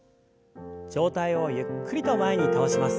上体をゆっくりと前に倒します。